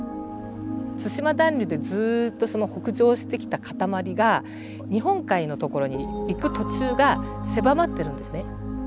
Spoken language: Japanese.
対馬暖流ってずっと北上してきた塊が日本海のところに行く途中が狭まってるんですね。